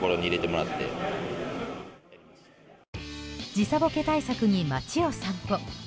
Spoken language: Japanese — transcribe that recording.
時差ボケ対策に街を散歩。